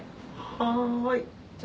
はい。